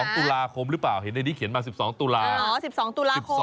๑๒ตุลาคมหรือเปล่าเห็นในนี้เขียนมา๑๒ตุลาคม